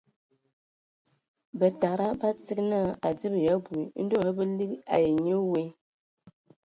Bǝtada bə tsig naa a adzib ya abui. Ndɔ hm bə ligi ai nye we.